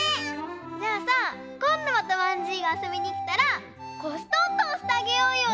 じゃあさこんどまたわんじいがあそびにきたらこしトントンしてあげようよ！